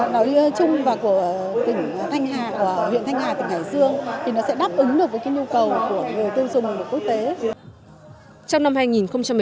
nói chung là của huyện thanh hà tỉnh hải dương thì nó sẽ đáp ứng được với cái nhu cầu của người tiêu dùng quốc tế